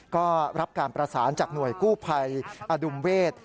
ก็รับการประสานจากหน่วยกู้ภัยอดุมเวศ